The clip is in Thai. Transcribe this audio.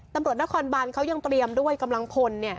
ตำรวจนครบานเขายังเตรียมด้วยกำลังพล